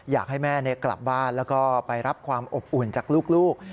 อยากให้แม่กลับบ้านแล้วก็ไปรับความอบอุ่นจากลูก